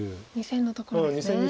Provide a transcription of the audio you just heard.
２線のところですね。